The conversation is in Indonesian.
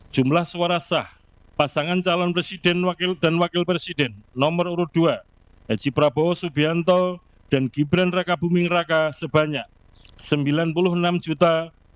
dua jumlah suara sah pasangan calon presiden dan wakil presiden nomor urut dua haji prabowo subianto dan gibran raka buming raka sebanyak sembilan puluh enam dua ratus empat belas enam ratus sembilan puluh satu suara